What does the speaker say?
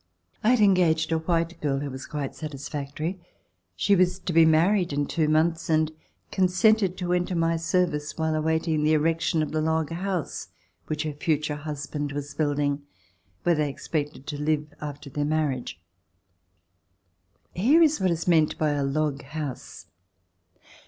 I had engaged a white girl, who was quite satisfactory. She was to be married in two months and consented [ 199] RECOLLECTIONS OF THE REVOLUTION to enter my service while awaiting the erection of the log house which her future husband was building, where they expected to live after their marriage. Here is what is meant by a log house.